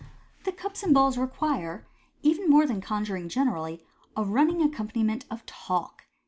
The cups and balls require, even more than conjuring generally, a running accompaniment of talk.